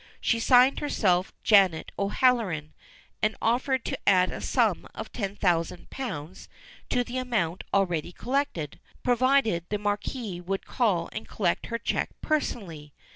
She signed herself Janet O'Halloran, and offered to add a sum of ten thousand pounds to the amount already collected, provided the Marquis would call and collect her cheque personally.